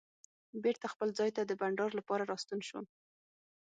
بېرته خپل ځای ته د بانډار لپاره راستون شوم.